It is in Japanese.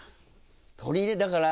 取り入れだから。